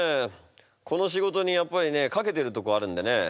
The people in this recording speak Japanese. この仕事にやっぱりね懸けてるとこあるんでね。